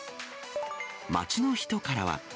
街の人からは。